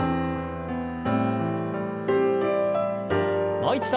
もう一度。